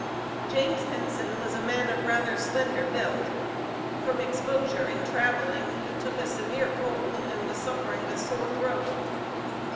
James Henson was a man of rather slender build. From exposure in traveling he took a severe cold and was suffering with sore throat.